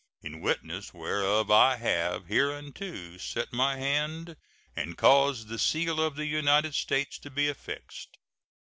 In witness whereof I have hereunto set my hand and caused the seal of the United States to be affixed.